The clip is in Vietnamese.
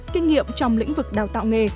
kinh nghiệm trong lĩnh vực đào tạo nghề